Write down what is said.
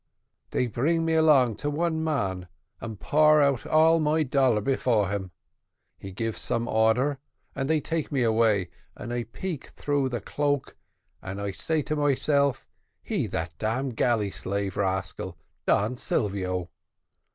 They bring me along to one man, and pour out all my dollar before him. He give some order, and they take me away, and I peep through the cloak, and I say to myself, he that damn galley slave rascal Don Silvio."